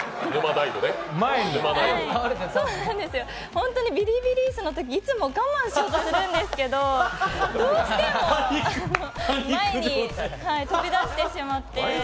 本当にビリビリ椅子のとき我慢しようと思うんですけどどうしても前に飛び出してしまって。